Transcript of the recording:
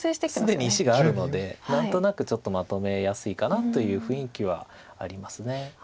既に石があるので何となくちょっとまとめやすいかなという雰囲気はあります。